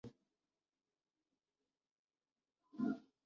மரணதண்டனை கொடுமையான அநீதியே!